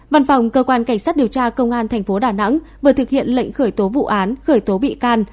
văn phòng cơ quan cảnh sát điều tra công an tp đà nẵng vừa thực hiện lệnh khởi tố vụ án khởi tố bị can